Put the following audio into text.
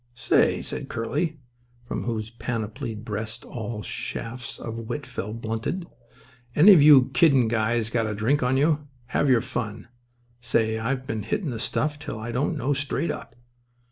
"Say," said Curly, from whose panoplied breast all shafts of wit fell blunted. "Any of you kiddin' guys got a drink on you? Have your fun. Say, I've been hittin' the stuff till I don't know straight up."